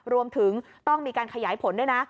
รวมถึงต้องมีการขยายผลด้วยนะ